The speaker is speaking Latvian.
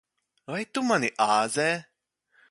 Vai tu mani āzē?